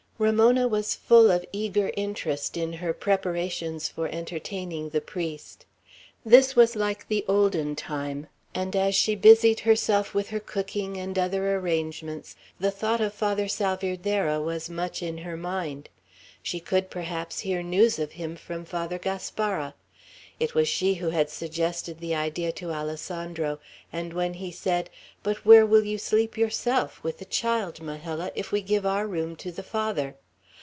Ramona was full of eager interest in her preparations for entertaining the priest. This was like the olden time; and as she busied herself with her cooking and other arrangements, the thought of Father Salvierderra was much in her mind. She could, perhaps, hear news of him from Father Gaspara. It was she who had suggested the idea to Alessandro; and when he said, "But where will you sleep yourself, with the child, Majella, if we give our room to the Father?